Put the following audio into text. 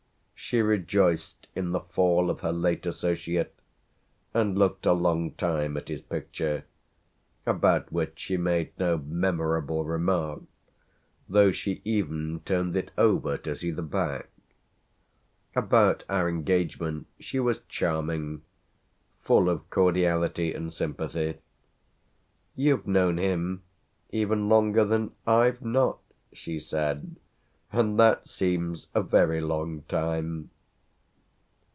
She rejoiced in the fall of her late associate and looked a long time at his picture, about which she made no memorable remark, though she even turned it over to see the back. About our engagement she was charming full of cordiality and sympathy. "You've known him even longer than I've not?" she said, "and that seems a very long time."